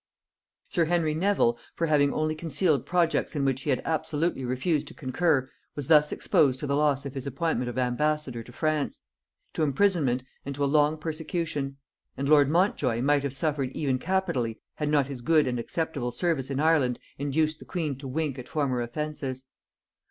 Sir Henry Nevil, for having only concealed projects in which he had absolutely refused to concur, was thus exposed to the loss of his appointment of ambassador to France; to imprisonment, and to a long persecution; and lord Montjoy might have suffered even capitally, had not his good and acceptable service in Ireland induced the queen to wink at former offences.